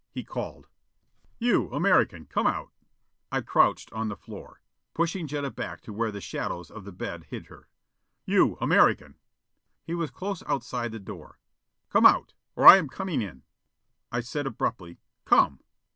He called: "You American, come out!" I crouched on the floor, pushing Jetta back to where the shadows of the bed hid her. "You American!" He was close outside the window. "Come out or I am coming in!" I said abruptly, "Come!"